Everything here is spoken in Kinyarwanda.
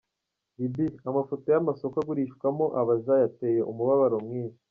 Libya: Amafoto y'amasoko agurishwamwo abaja yateye umubabaro mwinshi.